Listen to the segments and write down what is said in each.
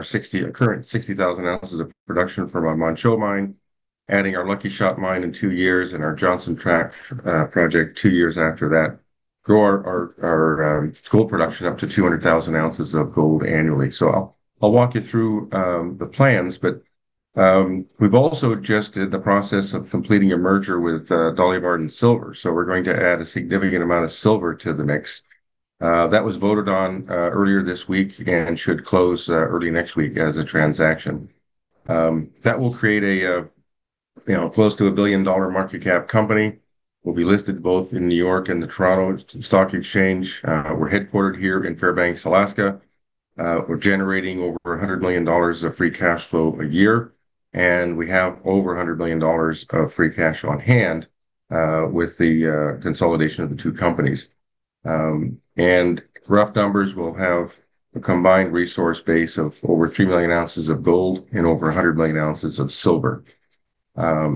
Our current 60,000 ounces of production from our Manh Choh mine, adding our Lucky Shot mine in two years and our Johnson Tract project two years after that grow our gold production up to 200,000 ounces of gold annually. I'll walk you through the plans, but we've also just did the process of completing a merger with Dolly Varden Silver. We're going to add a significant amount of silver to the mix. That was voted on earlier this week and should close early next week as a transaction. That will create close to a billion-dollar market cap company, will be listed both in New York and the Toronto Stock Exchange. We're headquartered here in Fairbanks, Alaska. We're generating over $100 million of free cash flow a year, and we have over $100 million of free cash on hand with the consolidation of the two companies. Rough numbers, we'll have a combined resource base of over 3 million ounces of gold and over 100 million ounces of silver. Let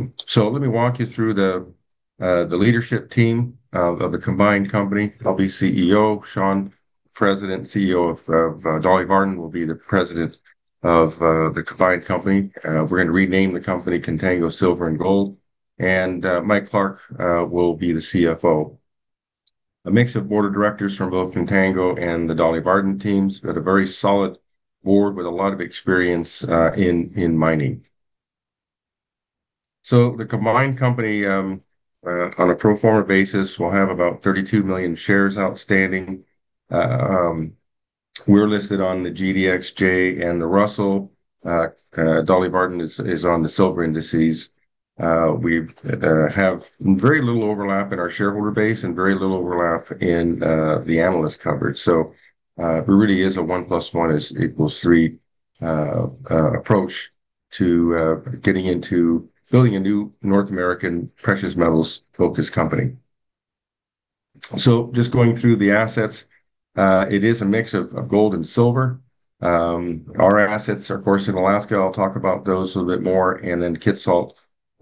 me walk you through the leadership team of the combined company. I'll be CEO. Shawn, President, CEO of Dolly Varden, will be the President of the combined company. We're gonna rename the company Contango Silver & Gold. Mike Clark will be the CFO. A mix of board of directors from both Contango and the Dolly Varden teams, but a very solid board with a lot of experience in mining. The combined company, on a pro forma basis will have about 32 million shares outstanding. We're listed on the GDXJ and the Russell. Dolly Varden is on the silver indices. We have very little overlap in our shareholder base and very little overlap in the analyst coverage. It really is a one plus one equals three approach to getting into building a new North American precious metals-focused company. Just going through the assets, it is a mix of gold and silver. Our assets are, of course, in Alaska. I'll talk about those a little bit more. Kitsault,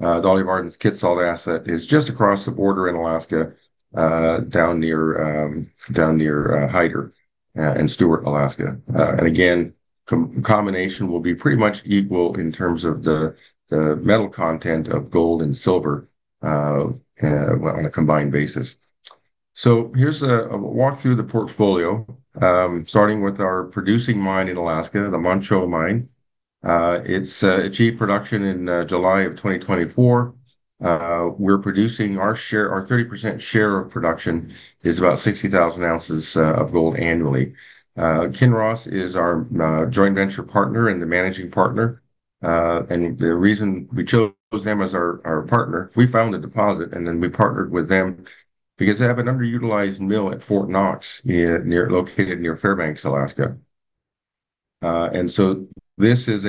Dolly Varden's Kitsault asset is just across the border in Alaska, down near Hyder and Stewart, Alaska. Again, combination will be pretty much equal in terms of the metal content of gold and silver, on a combined basis. Here's a walk through the portfolio. Starting with our producing mine in Alaska, the Manh Choh Mine. It's achieved production in July of 2024. Our 30% share of production is about 60,000 ounces of gold annually. Kinross is our joint venture partner and the managing partner. The reason we chose them as our partner, we found a deposit, and then we partnered with them because they have an underutilized mill at Fort Knox located near Fairbanks, Alaska. This is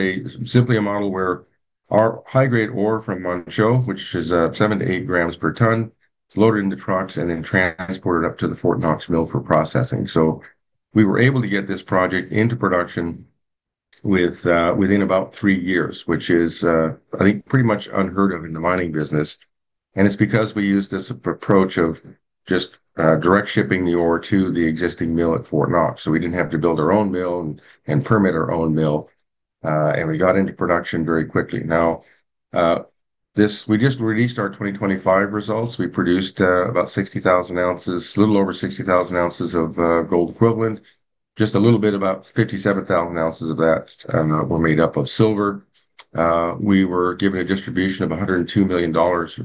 simply a model where our high-grade ore from Manh Choh, which is seven-eight grams per ton, is loaded into trucks and then transported up to the Fort Knox mill for processing. We were able to get this project into production within about three years, which I think pretty much unheard of in the mining business. It's because we used this approach of just direct shipping the ore to the existing mill at Fort Knox. We didn't have to build our own mill and permit our own mill, and we got into production very quickly. Now, we just released our 2025 results. We produced about 60,000 ounces, a little over 60,000 ounces of gold equivalent. Just a little bit, about 57,000 ounces of that were made up of silver. We were given a distribution of $102 million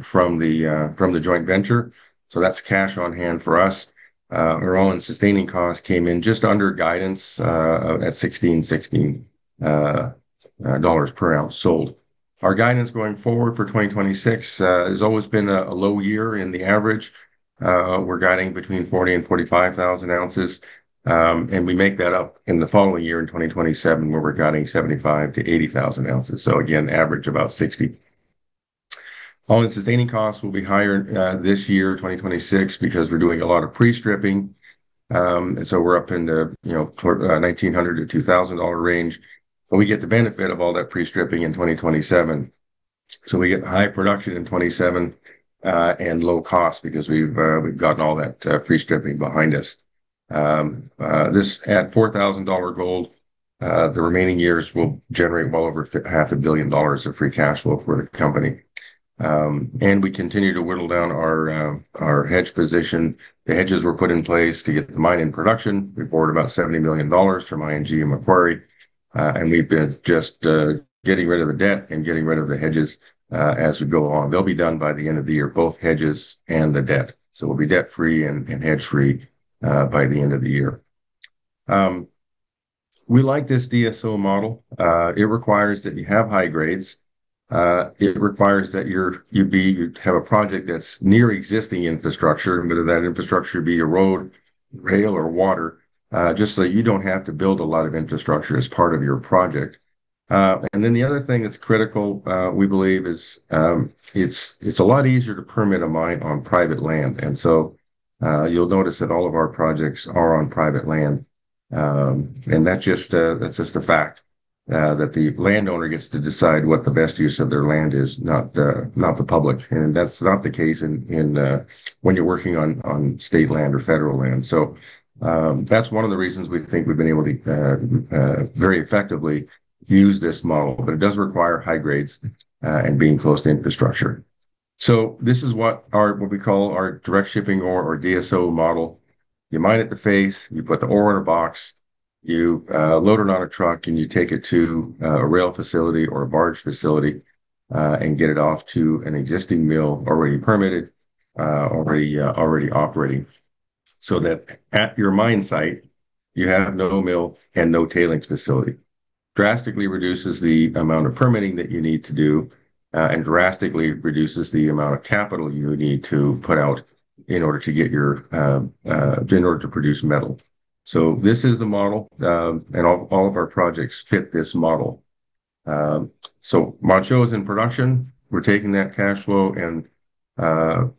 from the joint venture, so that's cash on hand for us. Our all-in sustaining cost came in just under guidance at $1,616 per ounce sold. Our guidance going forward for 2026 has always been a low year in the average. We're guiding between 40,000 and 45,000 ounces. We make that up in the following year, in 2027, where we're guiding 75,000-80,000 ounces. Again, average about 60. All-in sustaining costs will be higher this year, 2026, because we're doing a lot of pre-stripping. We're up in the, you know, $1,900-$2,000 range, and we get the benefit of all that pre-stripping in 2027. We get high production in 2027 and low cost because we've gotten all that pre-stripping behind us. This at $4,000 gold, the remaining years will generate well over half a billion dollars of free cash flow for the company. We continue to whittle down our hedge position. The hedges were put in place to get the mine in production. We borrowed about $70 million from ING and Macquarie. We've been just getting rid of the debt and getting rid of the hedges as we go along. They'll be done by the end of the year, both hedges and the debt. We'll be debt-free and hedge-free by the end of the year. We like this DSO model. It requires that you have high grades. It requires that you have a project that's near existing infrastructure, and whether that infrastructure be a road, rail, or water, just so that you don't have to build a lot of infrastructure as part of your project. The other thing that's critical, we believe is, it's a lot easier to permit a mine on private land. You'll notice that all of our projects are on private land. That's just a fact that the landowner gets to decide what the best use of their land is, not the public. That's not the case when you're working on state land or federal land. That's one of the reasons we think we've been able to very effectively use this model. It does require high grades and being close to infrastructure. This is what we call our direct shipping ore or DSO model. You mine at the face, you put the ore in a box, you load it on a truck, and you take it to a rail facility or a barge facility and get it off to an existing mill already permitted, already operating. That at your mine site you have no mill and no tailings facility. Drastically reduces the amount of permitting that you need to do, and drastically reduces the amount of capital you need to put out in order to produce metal. This is the model, and all of our projects fit this model. Manh Choh is in production. We're taking that cash flow and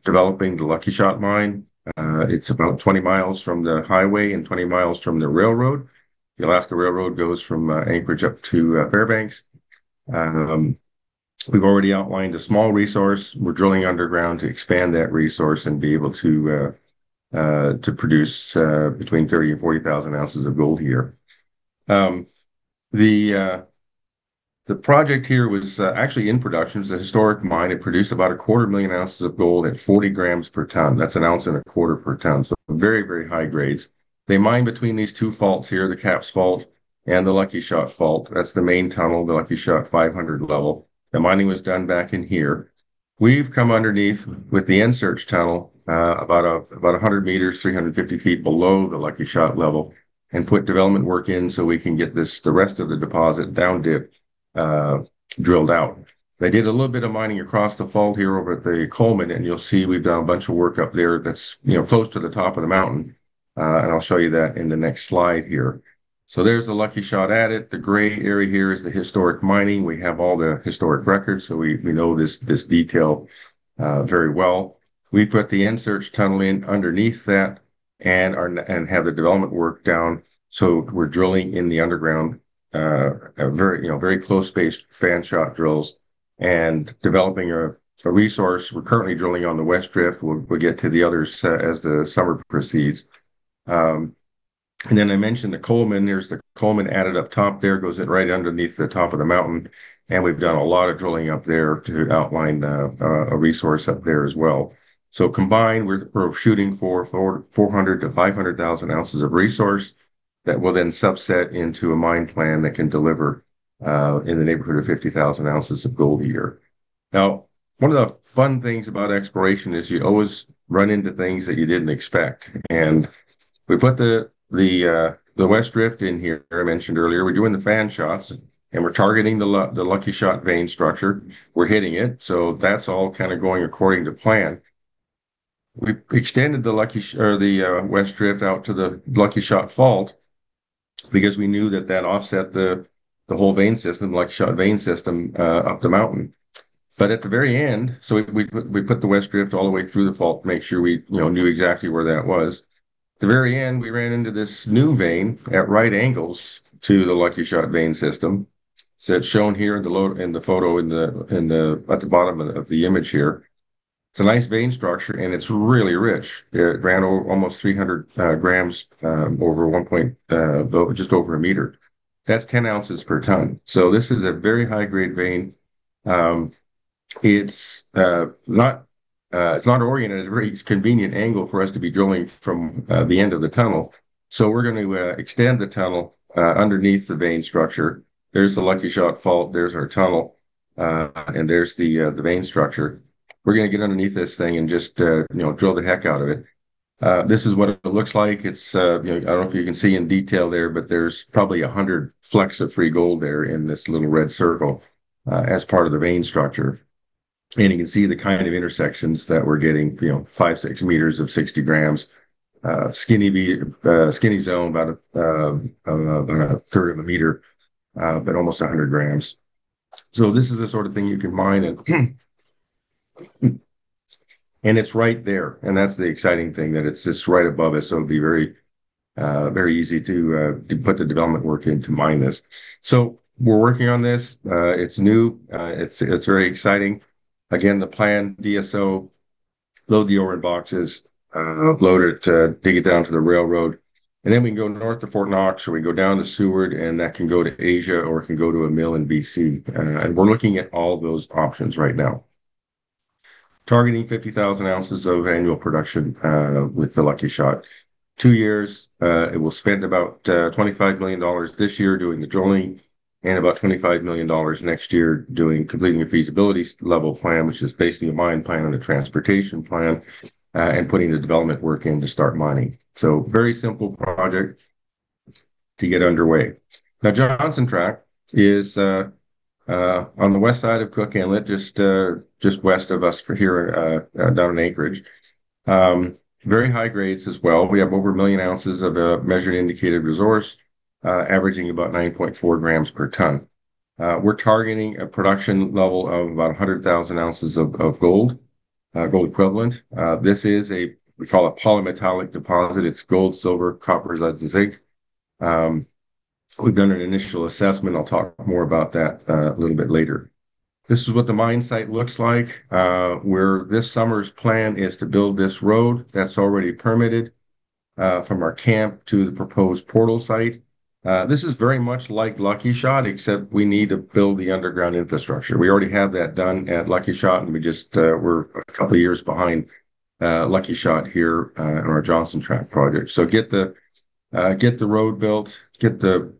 developing the Lucky Shot mine. It's about 20 miles from the highway and 20 miles from the railroad. The Alaska Railroad goes from Anchorage up to Fairbanks. We've already outlined a small resource. We're drilling underground to expand that resource and be able to produce between 30,000 and 40,000 ounces of gold here. The project here was actually in production. It's a historic mine. It produced about 250,000 ounces of gold at 40 grams per ton. That's 1.25 ounces per ton. Very, very high grades. They mined between these two faults here, the Caps Fault and the Lucky Shot Fault. That's the main tunnel, the Lucky Shot 500 level. The mining was done back in here. We've come underneath with the Ensearch tunnel, about 100 meters, 350 feet below the Lucky Shot level and put development work in so we can get this, the rest of the deposit down dip, drilled out. They did a little bit of mining across the fault here over at the Coleman. You'll see we've done a bunch of work up there that's, you know, close to the top of the mountain. I'll show you that in the next slide here. There's the Lucky Shot at it. The gray area here is the historic mining. We have all the historic records, so we know this detail very well. We put the Ensearch tunnel in underneath that and have the development work down. We're drilling underground very close-spaced fan shot drills and developing a resource. We're currently drilling on the west drift. We'll get to the others as the summer proceeds. I mentioned the Coleman. There's the Coleman adit up top there, goes right underneath the top of the mountain, and we've done a lot of drilling up there to outline a resource up there as well. Combined with, we're shooting for 400-500,000 ounces of resource that will then subset into a mine plan that can deliver, in the neighborhood of 50,000 ounces of gold a year. Now, one of the fun things about exploration is you always run into things that you didn't expect. We put the west drift in here that I mentioned earlier. We're doing the fan shots, and we're targeting the Lucky Shot vein structure. We're hitting it, so that's all kind of going according to plan. We extended the west drift out to the Lucky Shot fault because we knew that offset the whole vein system, Lucky Shot vein system, up the mountain. We put the west drift all the way through the fault to make sure we, you know, knew exactly where that was. At the very end, we ran into this new vein at right angles to the Lucky Shot vein system. It's shown here in the photo at the bottom of the image here. It's a nice vein structure, and it's really rich. It ran over almost 300 grams over one point just over a meter. That's 10 ounces per ton. This is a very high-grade vein. It's not oriented at a very convenient angle for us to be drilling from the end of the tunnel. We're going to extend the tunnel underneath the vein structure. There's the Lucky Shot fault, there's our tunnel, and there's the vein structure. We're gonna get underneath this thing and just, you know, drill the heck out of it. This is what it looks like. It's, you know, I don't know if you can see in detail there, but there's probably 100 flecks of free gold there in this little red circle, as part of the vein structure. You can see the kind of intersections that we're getting, you know, five, six meters of 60 grams. Skinny zone about a third of a meter, but almost 100 grams. This is the sort of thing you can mine and it's right there. That's the exciting thing, that it's just right above us, so it'd be very easy to put the development work in to mine this. We're working on this. It's new. It's very exciting. Again, the plan, DSO, load the ore in boxes, load it, dig it down to the railroad, and then we can go north to Fort Knox, or we go down to Seward, and that can go to Asia, or it can go to a mill in BC. We're looking at all those options right now. Targeting 50,000 ounces of annual production with the Lucky Shot. Two years, it will spend about $25 million this year doing the drilling and about $25 million next year completing a feasibility level plan, which is basically a mine plan and a transportation plan, and putting the development work in to start mining. Very simple project to get underway. Now, Johnson Tract is on the west side of Cook Inlet, just west of us from here, down in Anchorage. Very high grades as well. We have over 1 million ounces of measured and indicated resource, averaging about 9.4 grams per ton. We're targeting a production level of about 100,000 ounces of gold equivalent. This is what we call a polymetallic deposit. It's gold, silver, copper, lead, and zinc. We've done an initial assessment. I'll talk more about that, a little bit later. This is what the mine site looks like. This summer's plan is to build this road that's already permitted. From our camp to the proposed portal site. This is very much like Lucky Shot, except we need to build the underground infrastructure. We already have that done at Lucky Shot, and we just, we're a couple of years behind, Lucky Shot here, on our Johnson Tract project. Get the road built, get the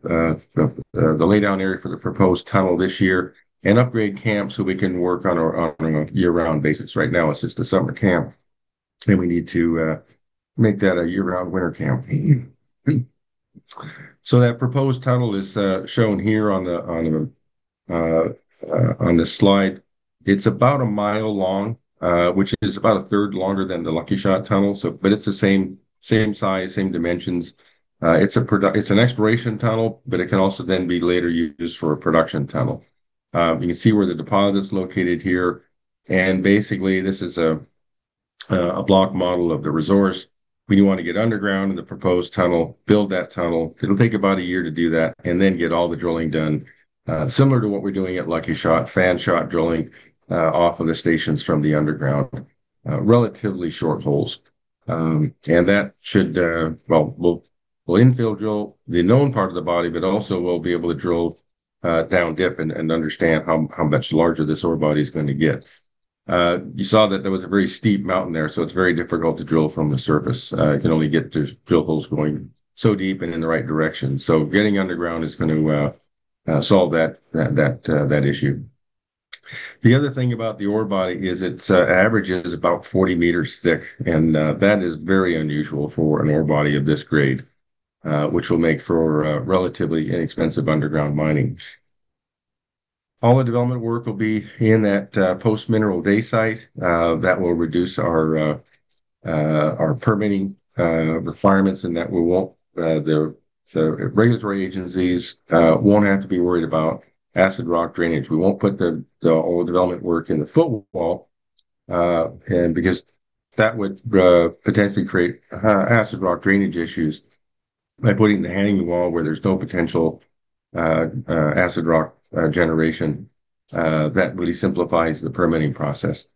laydown area for the proposed tunnel this year and upgrade camp so we can work on a year-round basis. Right now it's just a summer camp, and we need to make that a year-round winter camp. That proposed tunnel is shown here on the slide. It's about a mile long, which is about a third longer than the Lucky Shot tunnel. It's the same size, same dimensions. It's an exploration tunnel, but it can also then be later used for a production tunnel. You can see where the deposit's located here. Basically, this is a block model of the resource. We want to get underground in the proposed tunnel, build that tunnel. It'll take about a year to do that and then get all the drilling done, similar to what we're doing at Lucky Shot, fan shot drilling, off of the stations from the underground, relatively short holes. Well, we'll infill drill the known part of the body, but also we'll be able to drill down dip and understand how much larger this ore body is going to get. You saw that there was a very steep mountain there, so it's very difficult to drill from the surface. You can only just drill holes going so deep and in the right direction. Getting underground is going to solve that issue. The other thing about the ore body is it averages about 40 meters thick, and that is very unusual for an ore body of this grade, which will make for relatively inexpensive underground mining. All the development work will be in that post mineral bay site. That will reduce our permitting requirements and the regulatory agencies won't have to be worried about acid rock drainage. We won't put the tailings development work in the footwall and because that would potentially create acid rock drainage issues. By puttig it in the hanging wall where there's no potential acid rock generation, that really simplifies the permitting process.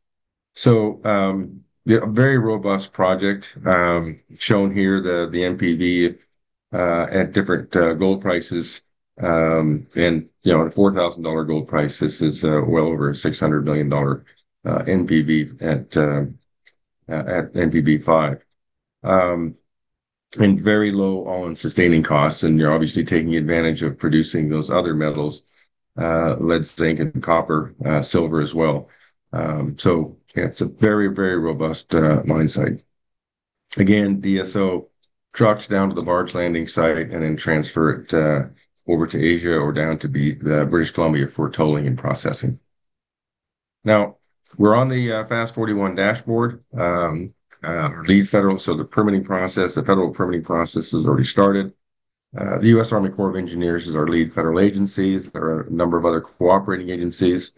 A very robust project shown here, the NPV at different gold prices, and you know, at $4,000 gold price, this is well over $600 million NPV at 5%. And very low all-in sustaining costs, and you're obviously taking advantage of producing those other metals, lead, zinc, and copper, silver as well. It's a very, very robust mine site. Again, DSO trucks down to the barge landing site and then transfer it over to Asia or down to British Columbia for tolling and processing. Now, we're on the FAST-41 dashboard. Lead federal, the permitting process, the federal permitting process has already started. The U.S. Army Corps of Engineers is our lead federal agencies. There are a number of other cooperating agencies,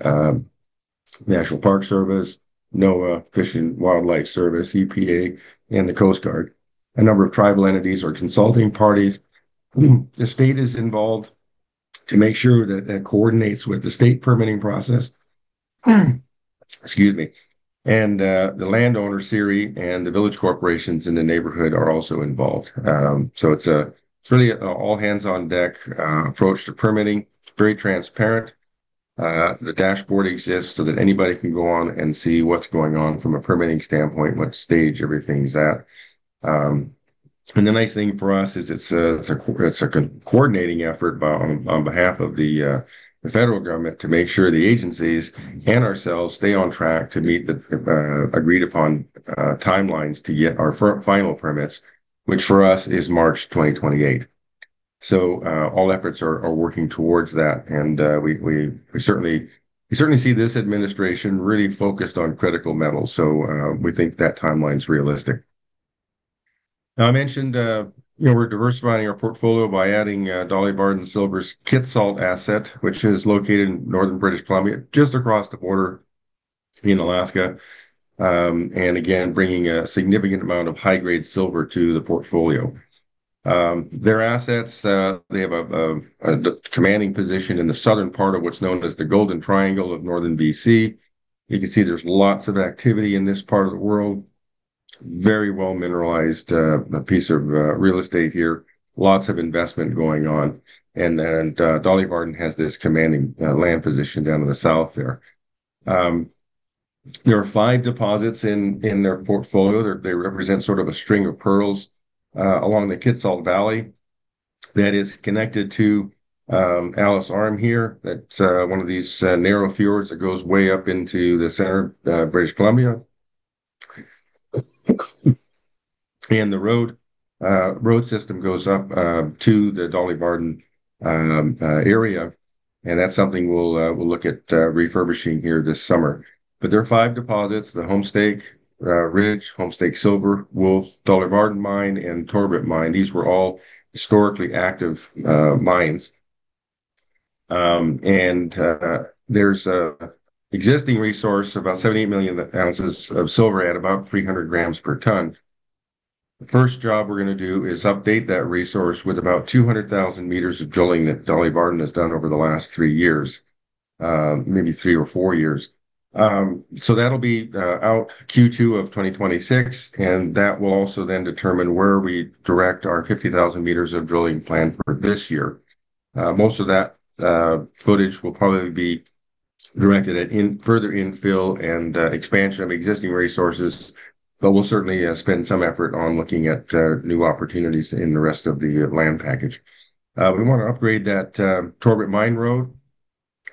National Park Service, NOAA, U.S. Fish and Wildlife Service, EPA, and the Coast Guard. A number of tribal entities or consulting parties. The state is involved to make sure that coordinates with the state permitting process. The landowner, CIRI, and the village corporations in the neighborhood are also involved. It's really an all hands on deck approach to permitting. It's very transparent. The dashboard exists so that anybody can go on and see what's going on from a permitting standpoint, what stage everything's at. The nice thing for us is it's a coordinating effort on behalf of the federal government to make sure the agencies and ourselves stay on track to meet the agreed upon timelines to get our final permits, which for us is March 2028. All efforts are working towards that. We certainly see this administration really focused on critical metals. We think that timeline's realistic. Now, I mentioned, you know, we're diversifying our portfolio by adding Dolly Varden Silver's Kitsault asset, which is located in northern British Columbia, just across the border in Alaska. Again, bringing a significant amount of high-grade silver to the portfolio. Their assets, they have a commanding position in the southern part of what's known as the Golden Triangle of Northern BC. You can see there's lots of activity in this part of the world. Very well mineralized piece of real estate here. Lots of investment going on. Then, Dolly Varden has this commanding land position down in the south there. There are five deposits in their portfolio. They represent sort of a string of pearls along the Kitsault Valley that is connected to Alice Arm here. That's one of these narrow fjords that goes way up into the center, British Columbia. The road system goes up to the Dolly Varden area. That's something we'll look at refurbishing here this summer. There are five deposits, the Homestake Ridge, Homestake Silver, Wolf, Dolly Varden Mine, and Torbrit Mine. These were all historically active mines. There's existing resource, about 70 million ounces of silver at about 300 grams per ton. The first job we're gonna do is update that resource with about 200,000 meters of drilling that Dolly Varden has done over the last three years. Maybe three or four years. That'll be out Q2 of 2026, and that will also then determine where we direct our 50,000 meters of drilling plan for this year. Most of that footage will probably be directed at further infill and expansion of existing resources, but we'll certainly spend some effort on looking at new opportunities in the rest of the land package. We want to upgrade that Torbit Mine road,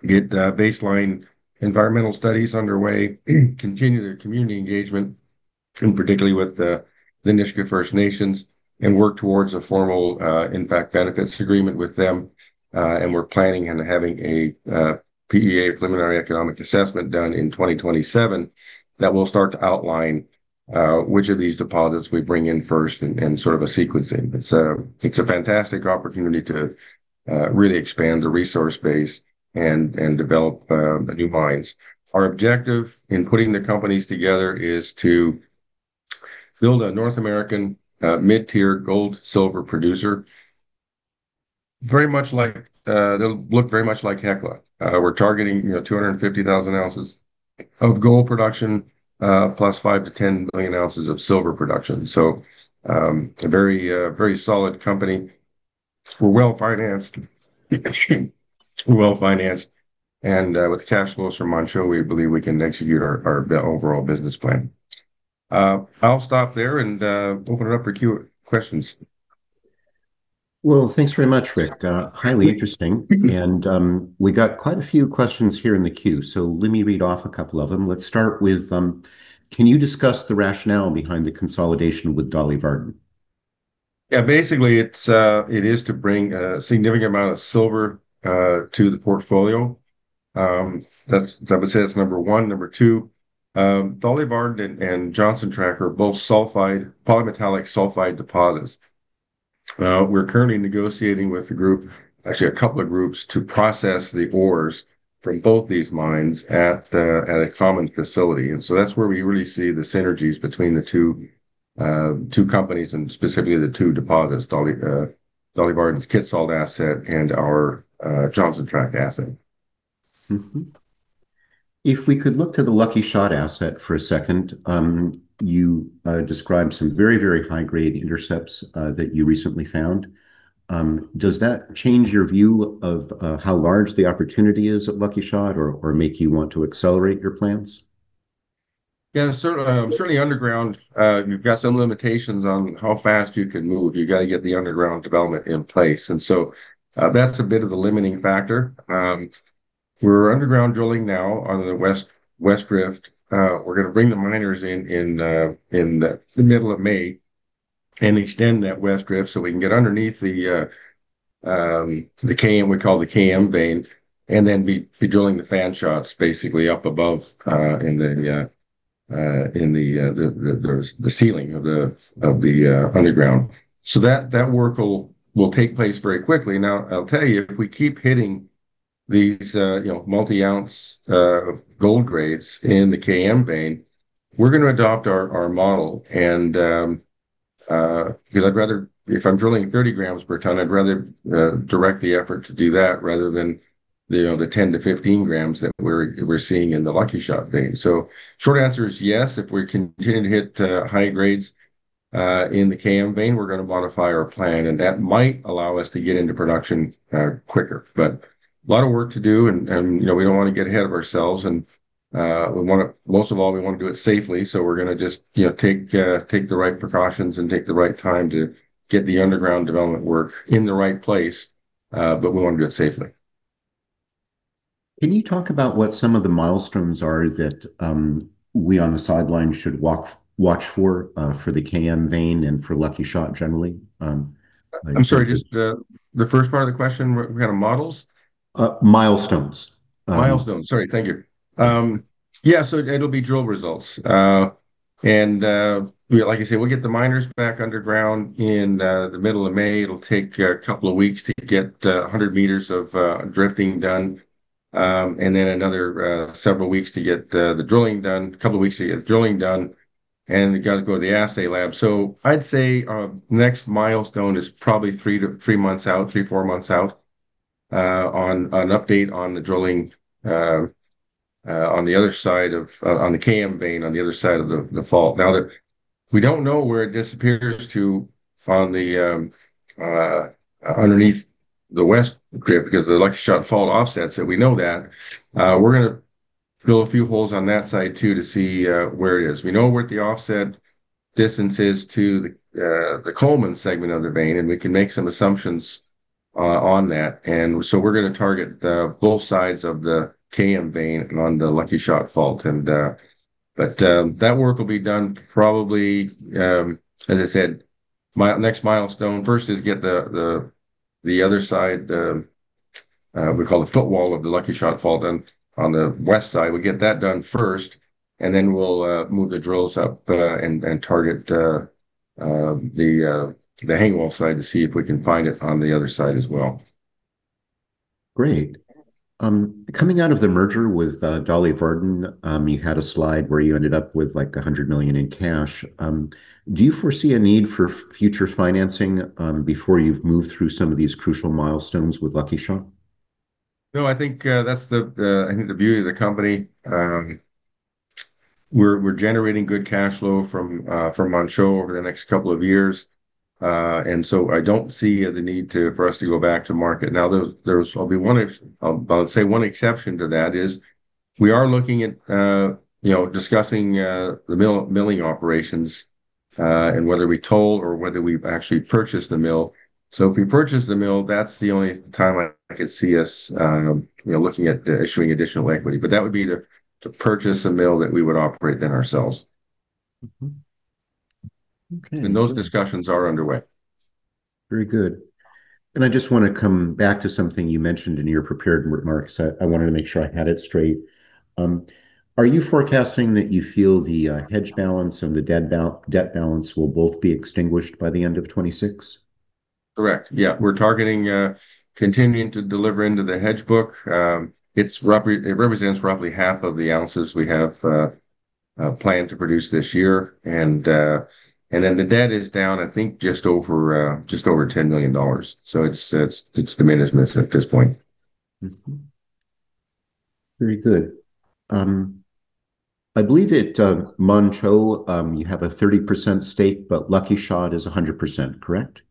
get baseline environmental studies underway, continue the community engagement, and particularly with the Nisga'a Nation, and work towards a formal impact benefits agreement with them. We're planning on having a PEA, preliminary economic assessment, done in 2027 that will start to outline which of these deposits we bring in first and sort of a sequencing. It's a fantastic opportunity to really expand the resource base and develop new mines. Our objective in putting the companies together is to build a North American mid-tier gold, silver producer, very much like it'll look very much like Hecla. We're targeting 250,000 ounces of gold production, plus 5-10 million ounces of silver production. A very solid company. We're well-financed. With cash flows from Manh Choh, we beleive we can execute our overall business plan. I'll stop there and open it up for questions. Well, thanks very much, Rick. Highly interesting. We got quite a few questions here in the queue. Let me read off a couple of them. Let's start with, can you discuss the rationale behind the consolidation with Dolly Varden? Yeah, basically it is to bring a significant amount of silver to the portfolio. That's, I would say, number one. Number two, Dolly Varden and Johnson Tract are both sulfide, polymetallic sulfide deposits. We're currently negotiating with a group, actually a couple of groups, to process the ores from both these mines at a common facility. That's where we really see the synergies between the two companies and specifically the two deposits, Dolly Varden's Kitsault asset and our Johnson Tract asset. Mmm-hmm. If we could look to the Lucky Shot asset for a second, your described some very high-grade intercepts that you recently found. Does that change your view of how large the opportunity is at Lucky Shot or make you want to accelerate your plans? Yeah, certainly underground, you've got some limitations on how fast you can move. You got to get the underground development in place, and so that's a bit of a limiting factor. We're underground drilling now on the west drift. We're gonna bring the miners in in the middle of May and extend that west drift so we can get underneath the KM, we call the KM vein, and then be drilling the fan shots basically up above in the ceiling of the underground. That work will take place very quickly. Now, I'll tell you, if we keep hitting these, you know, multi ounce gold grades in the KM vein, we're gonna adopt our model and 'cause I'd rather if I'm drilling 30 grams per ton, I'd rather direct the effort to do that rather than, you know, the 10-15 grams that we're seeing in the Lucky Shot vein. So short answer is yes, if we continue to hit high grades in the KM vein, we're gonna modify our plan, and that might allow us to get into production quicker. A lot of work to do and you know, we don't want to get ahead of ourselves and we wanna most of all, we want to do it safely, so we're gonna just you know, take the right precautions and take the right time to get the underground development work in the right place, but we want to do it safely. Can you talk about what some of the milestones are that we on the sidelines should watch for the KM vein and for Lucky Shot generally? I'm sorry- I'm sorry, just the first part of the question, what kind of models? Milestones. Milestones. Sorry. Thank you. Yeah, it'll be drill results. Like I said, we'll get the miners back underground in the middle of May. It'll take a couple of weeks to get 100 meters of drifting done, and then another several weeks to get the drilling done and it gotta go to the assay lab. I'd say next milestone is probably three-four months out on an update on the drilling on the other side of the KM vein, on the other side of the fault. Now that we don't know where it disappears to from underneath the west grid, because the Lucky Shot fault offsets it, we know that. We're gonna drill a few holes on that side too to see where it is. We know what the offset distance is to the Coleman segment of the vein, and we can make some assumptions on that. We're gonna target both sides of the KM vein on the Lucky Shot fault. That work will be done probably, as I said, next milestone. First is get the other side, we call the footwall of the Lucky Shot fault done on the west side. We'll get that done first, and then we'll move the drills up and target the hanging wall side to see if we can find it on the other side as well. Great. Coming out of the merger with Dolly Varden, you had a slide where you ended up with like $100 million in cash. Do you foresee a need for future financing, before you've moved through some of these crucial milestones with Lucky Shot? No, I think that's the beauty of the company. We're generating good cash flow from Manh Choh over the next couple of years. I don't see the need for us to go back to market. Now, there's one exception to that is we are looking at, you know, discussing the milling operations, and whether we toll or whether we actually purchase the mill. If we purchase the mill, that's the only time I could see us, you know, looking at issuing additional equity. That would be to purchase a mill that we would operate then ourselves. Okay. Those discussions are underway. Very good. I just wanna come back to something you mentioned in your prepared remarks. I wanted to make sure I had it straight. Are you forecasting that you feel the hedge balance and the debt balance will both be extinguished by the end of 2026? Correct. Yeah. We're targeting continuing to deliver into the hedge book. It represents roughly half of the ounces we have planned to produce this year. Then the debt is down, I think, just over $10 million. It's diminishment at this point. Mm-hmm. Very good. I believe at Manh Choh you have a 30% stake, but Lucky Shot is 100% correct?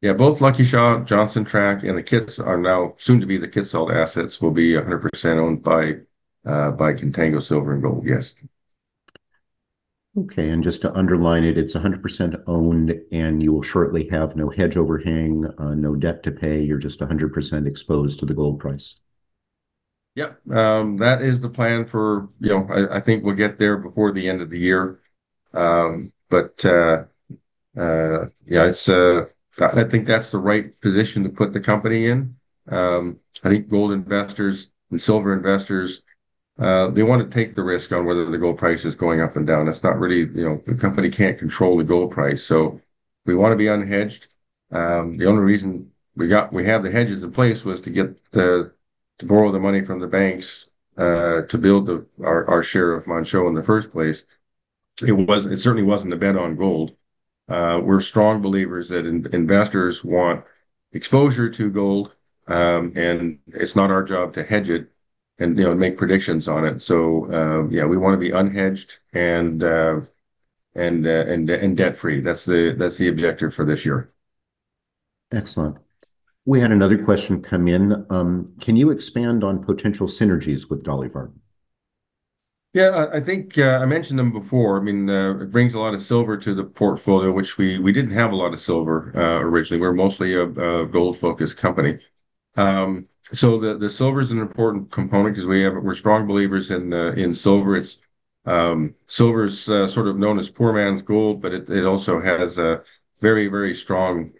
Yeah. Both Lucky Shot, Johnson Tract, and the Kitsault are now soon to be the Kitsault assets, will be 100% owned by Contango Silver & Gold, yes. Okay. Just to underline it's 100% owned, and you'll shortly have no hedge overhang, no debt to pay. You're just 100% exposed to the gold price. Yeah. That is the plan. You know, I think we'll get there before the end of the year. Yeah, it's I think that's the right position to put the company in. I think gold investors and silver investors, they wanna take the risk on whether the gold price is going up and down. It's not really, you know, the company can't control the gold price, so we wanna be unhedged. The only reason we have the hedges in place was to borrow the money from the banks to build our share of Manh Choh in the first place. It certainly wasn't a bet on gold. We're strong believers that investors want exposure to gold, and it's not our job to hedge it and, you know, make predictions on it. Yeah, we wanna be unhedged and debt-free. That's the objective for this year. Excellent. We had another question come in. Can you expand on potential synergies with Dolly Varden? Yeah. I think I mentioned them before. I mean, it brings a lot of silver to the portfolio, which we didn't have a lot of silver originally. We're mostly a gold-focused company. The silver's an important component 'cause we're strong believers in silver. Silver is sort of known as poor man's gold, but it also has a very strong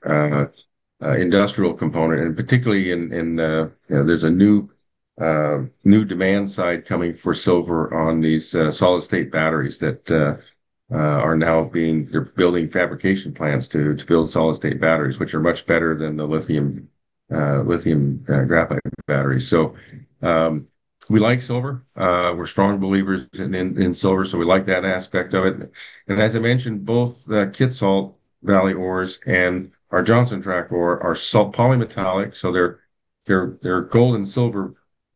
industrial component. You know, there's a new demand side coming for silver on these solid-state batteries. They're building fabrication plants to build solid-state batteries, which are much better than the lithium graphite batteries. We like silver. We're strong believers in silver, so we like that aspect of it. As I mentioned, both the Kitsault Valley ores and our Johnson Tract ore are polymetallic, so they're gold and silver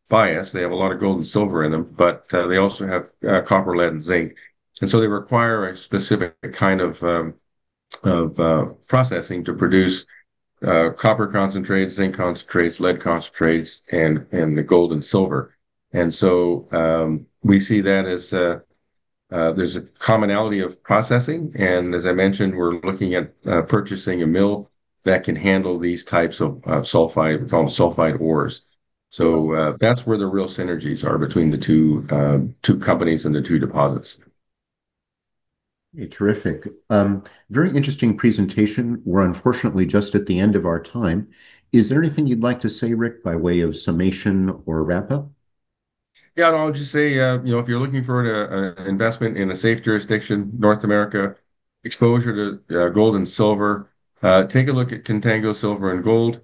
biased. They have a lot of gold and silver in them, but they also have copper, lead, and zinc. So they require a specific kind of processing to produce copper concentrates, zinc concentrates, lead concentrates and the gold and silver. We see that as there's a commonality of processing. As I mentioned, we're looking at purchasing a mill that can handle these types of sulfide, we call them sulfide ores. That's where the real synergies are between the two companies and the two deposits. Yeah. Terrific. Very interesting presentation. We're unfortunately just at the end of our time. Is there anything you'd like to say, Rick, by way of summation or wrap-up? Yeah. I'll just say, you know, if you're looking for an investment in a safe jurisdiction, North America, exposure to gold and silver, take a look at Contango Silver & Gold.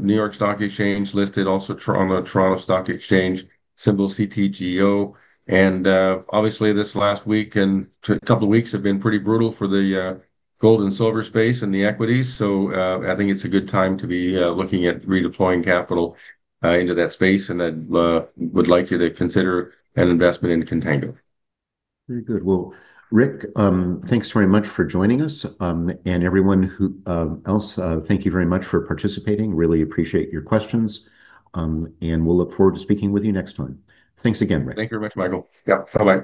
New York Stock Exchange listed, also Toronto Stock Exchange, symbol CTGO. Obviously this last week and couple of weeks have been pretty brutal for the gold and silver space and the equities. I think it's a good time to be looking at redeploying capital into that space. I'd like you to consider an investment into Contango. Very good. Well, Rick, thanks very much for joining us. Everyone else, thank you very much for participating. Really appreciate your questions, and we'll look forward to speaking with you next time. Thanks again, Rick. Thank you very much, Michael. Yeah. Bye-bye.